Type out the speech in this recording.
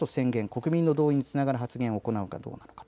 国民の動員につながる発言を行うのかどうか。